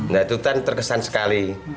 nah itu kan terkesan sekali